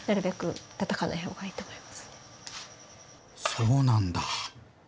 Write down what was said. そうなんだ！